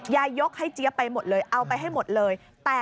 ยกให้เจี๊ยบไปหมดเลยเอาไปให้หมดเลย